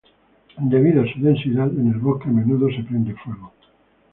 Debido a su densidad, en el bosque a menudo se prende fuego.